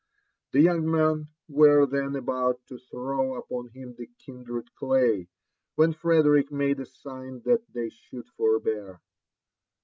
The young men were then about to throw upon him the kindred clay, when Frederick made a sign that they should forbear.